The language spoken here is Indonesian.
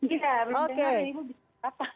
iya belum dengerin ibu bisa